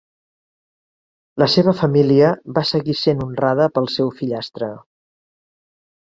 La seva família va seguir sent honrada pel seu fillastre.